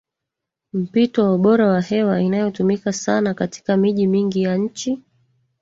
mpito wa ubora wa hewa inayotumika sana katika miji mingi ya nchi